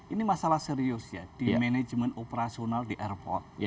ini masalah serius ya di manajemen operasional di airport